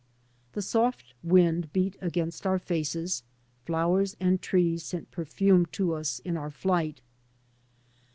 The soft wind beat against our faces, flowers and trees sent per fume to us in our flight.